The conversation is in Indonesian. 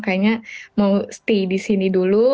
kayaknya mau stay di sini dulu